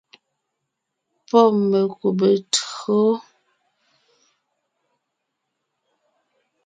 Pɔ́ mekùbe tÿǒ.